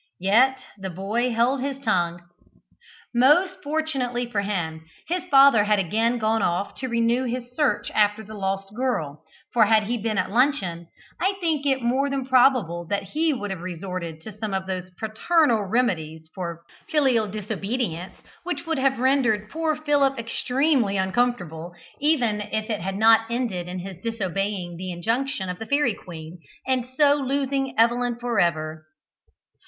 Yet the boy held his tongue. Most fortunately for him, his father had again gone off to renew his search after the lost girl, for had he been at luncheon, I think it more than probable that he would have resorted to some of those paternal remedies for filial disobedience which would have rendered poor Philip extremely uncomfortable, even if it had not ended in his disobeying the injunction of the fairy queen, and so losing Evelyn for ever.